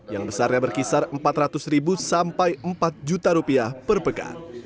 yang besarnya berkisar empat ratus ribu sampai empat juta rupiah per pekan